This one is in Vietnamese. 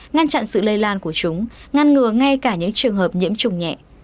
ngăn chặn sự lây lan của chúng ngăn ngừa ngay cả những trường hợp nhiễm trùng nhẹ